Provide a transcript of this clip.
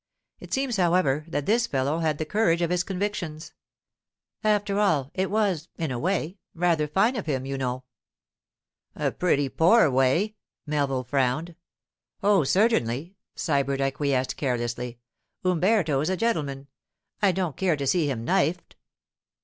It seems, however, that this fellow had the courage of his convictions. After all, it was, in a way, rather fine of him, you know.' 'A pretty poor way,' Melville frowned. 'Oh, certainly,' Sybert acquiesced carelessly. 'Umberto's a gentleman. I don't care to see him knifed.